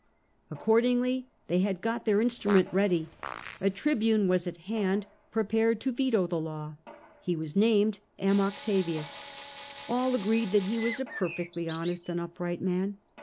Accordingly they had got their instrument ready. A tribune was at hand, prepared to veto the law. He was named M. Octavius : all agree that he was a perfectly honest and upright man.